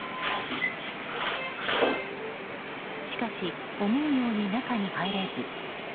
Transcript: しかし、思うように中に入れず。